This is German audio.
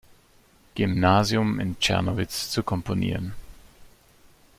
Gymnasium in Czernowitz zu komponieren.